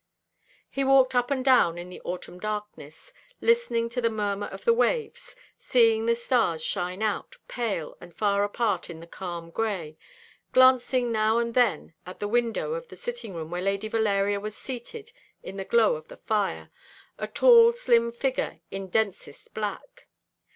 He walked up and down in the autumn darkness, listening to the murmur of the waves, seeing the stars shine out, pale and far apart in the calm gray, glancing now and then at the window of the sitting room, where Lady Valeria was seated in the glow of the fire, a tall slim figure in densest black.